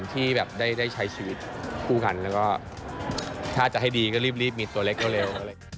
ที่แบบได้ใช้ชีวิตคู่กันแล้วก็ถ้าจะให้ดีก็รีบมีตัวเล็กเร็ว